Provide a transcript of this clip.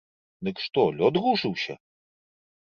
Дык што лёд рушыўся?